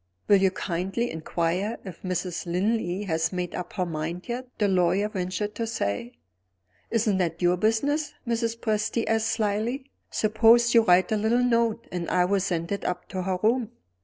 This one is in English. "Will you kindly inquire if Mrs. Linley has made up her mind yet?" the lawyer ventured to say. "Isn't that your business?" Mrs. Presty asked slyly. "Suppose you write a little note, and I will send it up to her room."